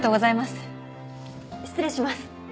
失礼します。